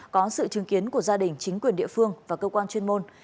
có sự chứng kiến của gia đình chính quyền địa phương và cơ quan chuyên môn